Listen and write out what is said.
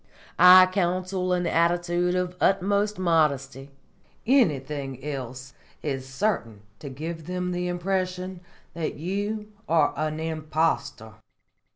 I counsel an attitude of uttermost modesty; anything else is certain to give them the impression that you are an impostor.